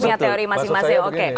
punya teori masing masing